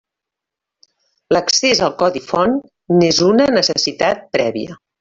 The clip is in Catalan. L'accés al codi font n'és una necessitat prèvia.